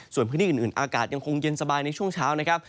ส่วนพื้นที่อื่นอากาศยังคงเย็นสบายในช่วงเช้านะครับ